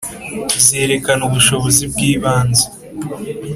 zerekana ubushobozi bw’ibanze